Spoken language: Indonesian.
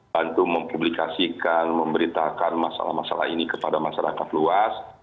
bantu mempublikasikan memberitakan masalah masalah ini kepada masyarakat luas